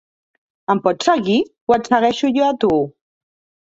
Em pots seguir o et segueixo jo a tu?